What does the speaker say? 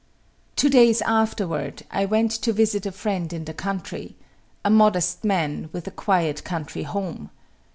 Two days afterward, I went to visit a friend in the country, a modest man, with a quiet country home.